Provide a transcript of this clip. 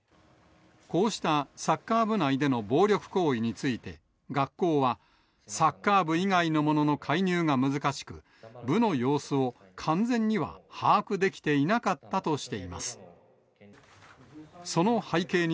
こうしたサッカー部内での暴力行為について、学校は、サッカー部以外の者の介入が難しく、部の様子を完全には把握できていなかったとしています。